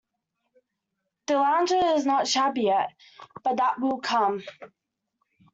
This lounger is not shabby yet, but that will come.